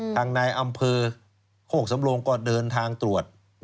ทางนายอำเภอโคกสำรงก็เดินทางตรวจ